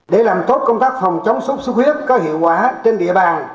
để làm tốt công tác phòng chống sốt xuất huyết có hiệu quả trên địa bàn